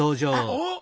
おっ！